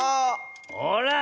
ほら。